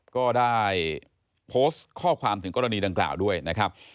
ก็ได้โพสต์ข้อความถึงกรณีดังกล่าวด้วยนะครับ